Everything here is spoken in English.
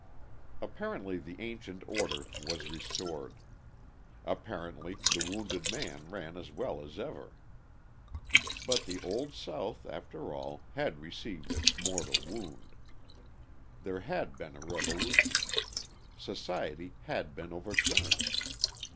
Apparently the ancient order was restored; apparently the wounded man ran as well as ever. But the Old South, after all, had received its mortal wound. There had been a revolution; society had been overturned.